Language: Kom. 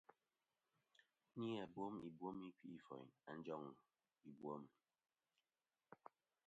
Ghɨ ni-a bwem ibwem i kfi'foyn a njoŋ ìbwem.